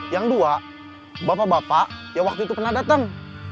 yang dua bapak bapak yang waktu itu pernah datang